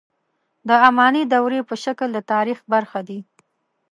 د اماني دورې په شکل د تاریخ برخه دي.